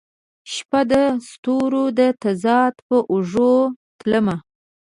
شپه د ستورو د تضاد په اوږو تلمه